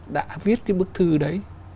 đã viết cái bức thư đấy